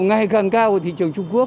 ngày càng cao của thị trường trung quốc